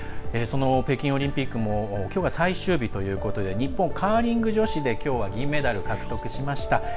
北京オリンピックもきょうが最終日ということで日本カーリング女子できょうは銀メダルを獲得しました。